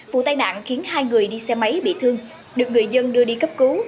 vụ tai nạn khiến hai người đi xe máy bị thương được người dân đưa đi cấp cứu